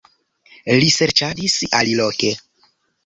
Li serĉadis aliloke.